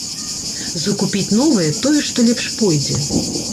Закупіць новае, тое, што лепш пойдзе.